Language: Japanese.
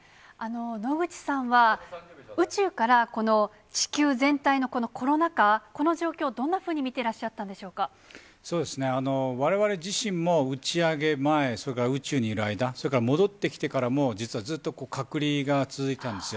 野口さんは、宇宙からこの地球全体のこのコロナ禍、この状況、どんなふうに見そうですね、われわれ自身も打ち上げ前、それから宇宙にいる間、それから戻ってきてからも、実はずっと隔離が続いてたんですよ。